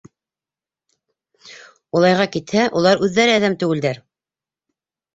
Улайга китһә, улар үҙҙәре әҙәм түгелдәр.